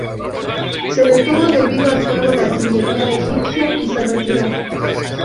Se detuvo debido al fuego de artillería egipcia y se retiró.